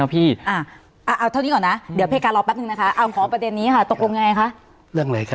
ไม่ใช่มานั่งทะเลาะกันเรื่องสมผมบนหัวนักเรียนอะ